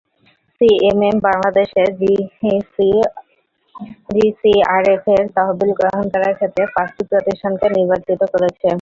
CSM বাংলাদেশে জিসিইআরএফের তহবিল গ্রহণ করার ক্ষেত্রে পাঁচটি প্রতিষ্ঠানকে নির্বাচিত করেছে।